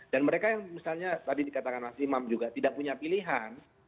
dan mereka yang misalnya tadi dikatakan mas imam juga tidak punya pilihan